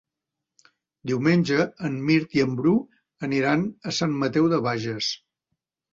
Diumenge en Mirt i en Bru aniran a Sant Mateu de Bages.